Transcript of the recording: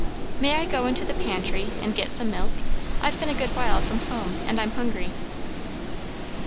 "May I go into the pantry and get some milk? I've been a good while from home, and I'm hungry."